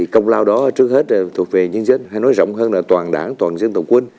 công lao đó trước hết thuộc về nhân dân hay nói rộng hơn là toàn đảng toàn dân toàn quân